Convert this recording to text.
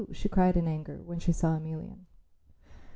she cried in anger when she saw Emelian.